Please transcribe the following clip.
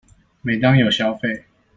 每當有消費